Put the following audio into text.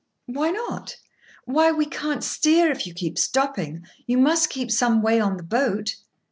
"Why not?" "Why, we can't steer, if you keep stopping. You must keep some way on the boat."